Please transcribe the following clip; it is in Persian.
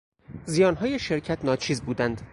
زیانهای شرکت ناچیز بودند.